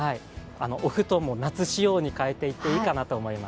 お布団も夏仕様に変えていっていいかなと思います。